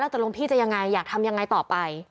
อตรงพีดจะอย่างไรอยากทำอย่างไรต่อไป